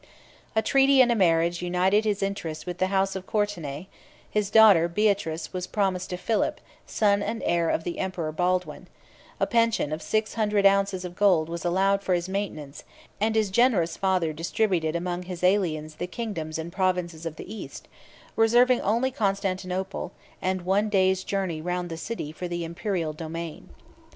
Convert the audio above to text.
A treaty and a marriage united his interest with the house of Courtenay; his daughter Beatrice was promised to Philip, son and heir of the emperor Baldwin; a pension of six hundred ounces of gold was allowed for his maintenance; and his generous father distributed among his aliens the kingdoms and provinces of the East, reserving only Constantinople, and one day's journey round the city for the imperial domain.